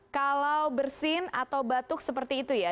kalau bersin atau batuk seperti itu ya